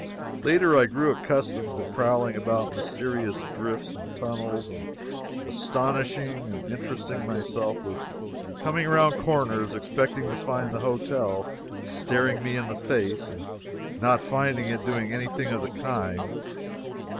Later, I grew accustomed to prowling about mysterious drifts and tunnels and astonishing and interesting myself with coming around corners expecting to find the hotel staring me in the face, and not finding it doing any thing of the kind.